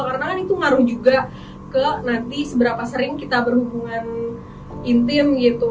karena kan itu ngaruh juga ke nanti seberapa sering kita berhubungan intim gitu